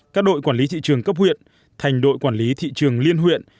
các đội quản lý tỷ trường cấp huyện thành đội quản lý tỷ trường liên huyện